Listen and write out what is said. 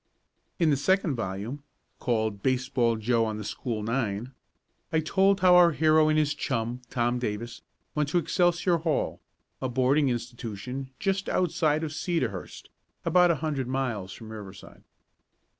In the second volume, called "Baseball Joe on the School Nine," I told how our hero and his chum, Tom Davis, went to Excelsior Hall, a boarding institution just outside of Cedarhurst, about a hundred miles from Riverside.